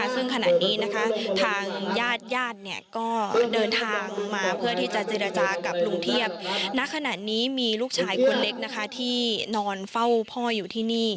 ซึ่งขณะนี้นะคะทางญาติญาติก็เดินทางมาเพื่อที่จะเจรจากับลุงเทียบณขณะนี้มีลูกชายคนเล็กที่นอนเฝ้าพ่ออยู่ที่นี่